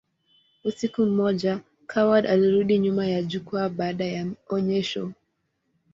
Usiku mmoja, Coward alirudi nyuma ya jukwaa baada ya onyesho.